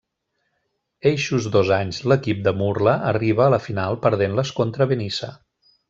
Eixos dos anys l’equip de Murla arriba a la final perdent-les contra Benissa.